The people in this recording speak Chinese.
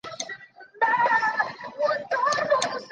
她一直在努力争取让联邦政府扩大其员工赔偿计划。